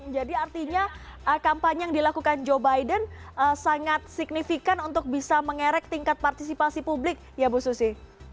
jadi artinya kampanye yang dilakukan joe biden sangat signifikan untuk bisa mengerek tingkat partisipasi publik ya bu susi